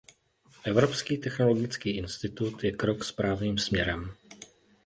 Evropský technologický institut je krok správným směrem.